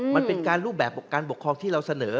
มันเป็นการรูปแบบการปกครองที่เราเสนอ